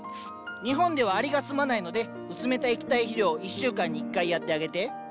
日本ではアリが住まないので薄めた液体肥料を１週間に１回やってあげて。